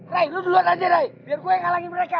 ray lu duluan aja ray biar gua yang ngalangi mereka